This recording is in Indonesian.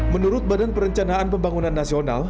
menurut badan perencanaan pembangunan nasional